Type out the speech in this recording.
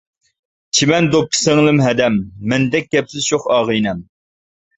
چىمەن دوپپا سىڭلىم-ھەدەم، مەندەك كەپسىز شوخ ئاغىنەم.